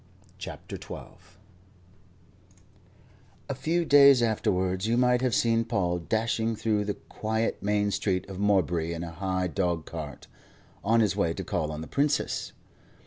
CHAPTER XII A FEW days afterwards you might have seen Paul dashing through the quiet main street of Morebury in a high dog cart, on his way to call on the Princess.